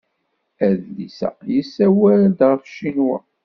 Adlis-a yessawal-d ɣef Ccinwa.